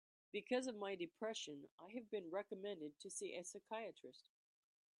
Because of my depression, I have been recommended to see a psychiatrist.